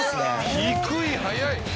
低い速い。